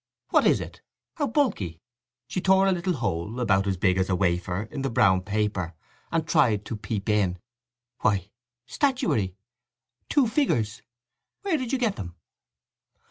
"What is it? How bulky!" She tore a little hole, about as big as a wafer, in the brown paper, and tried to peep in. "Why, statuary? Two figures? Where did you get them?"